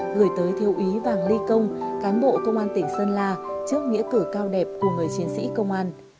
gửi tới thiêu úy vàng ly công cán bộ công an tỉnh sơn la trước nghĩa cử cao đẹp của người chiến sĩ công an